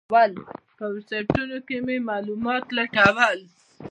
په ویبسایټونو کې مې معلومات لټول.